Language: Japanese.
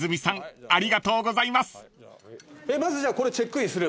まずじゃあこれチェックイン。